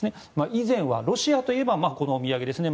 以前はロシアといえばこのお土産ですね